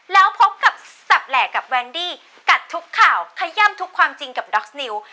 แล้วพบกับสับแหลกกับแวนดี้กัดทุกข่าวขย่ำทุกความจริงกับด็อกนิว